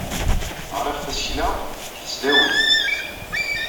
Ɣriɣ tasekla deg tesdawit.